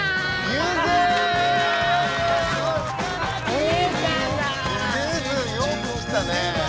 ゆづよく来たね。